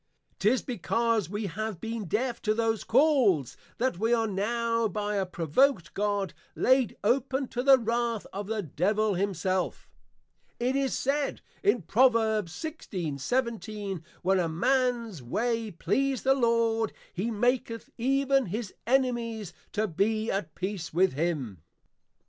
'Tis because we have been Deaf to those Calls that we are now by a provoked God, laid open to the Wrath of the Devil himself. It is said in Pr. 16.17. _When a mans ways please the Lord, he maketh even his Enemies to be at peace with him.